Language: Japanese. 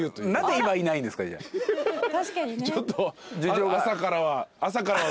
ちょっと。